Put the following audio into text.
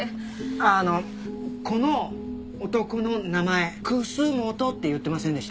あのこの男の名前「くすもと」って言ってませんでした？